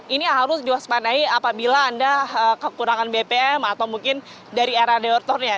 ini harus diwaspadai apabila anda kekurangan bpm atau mungkin dari era dewatornya